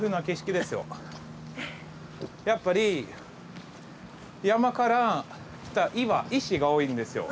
やっぱり山から来た岩石が多いんですよ。